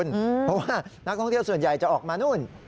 เพราะว่านักท่องเที่ยวส่วนใหญ่จะออกมานู่น